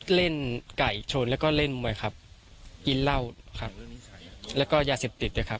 เล่นไก่ชนแล้วก็เล่นมวยครับกินเหล้าครับแล้วก็ยาเสพติดด้วยครับ